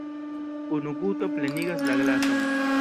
Unu guto plenigas la glason.